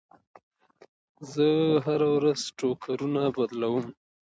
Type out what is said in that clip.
زه هره ورځ ټوکرونه بدلوم.